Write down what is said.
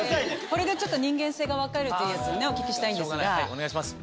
これでちょっと人間性が分かるっていうやつをお聞きしたいんですが。